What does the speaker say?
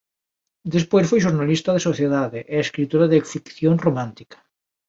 Despois foi xornalista de sociedade e escritora de ficción romántica.